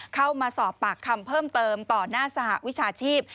เข้ามาสอบปากคำเพิ่มเติมต่อหน้าสหวิชาชีพ